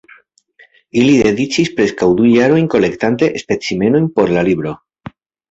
Ili dediĉis preskaŭ du jarojn kolektante specimenojn por la libro.